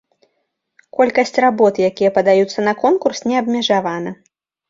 Колькасць работ, якія падаюцца на конкурс, не абмежавана.